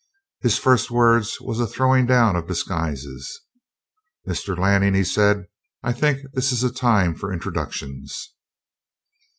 His first word was a throwing down of disguises. "Mr. Lanning," he said, "I think this is a time for introductions."